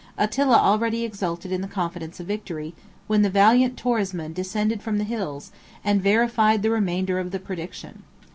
Attila already exulted in the confidence of victory, when the valiant Torismond descended from the hills, and verified the remainder of the prediction.